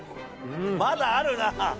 まだあるなぁ。